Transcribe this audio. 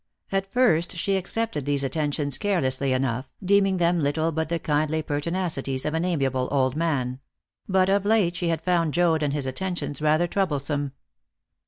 At first she accepted these attentions carelessly enough, deeming them little but the kindly pertinacities of an amiable old man; but of late she had found Joad and his attentions rather troublesome.